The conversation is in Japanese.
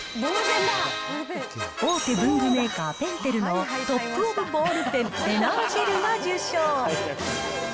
大手文具メーカー、ぺんてるのトップオブボールペン、エナージェルが受賞。